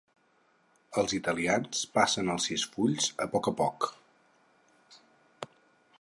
Els italians passen els sis fulls a poc a poc.